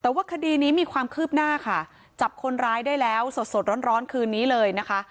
แต่ว่าคดีนี้มีความคืบหน้าค่ะจับคนร้ายได้แล้วสดสดร้อนคืนนี้เลยนะคะ